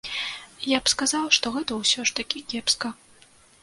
Я б сказаў, што гэта ўсё ж такі кепска.